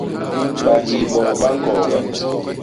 Bahiiboo ba ñkooga!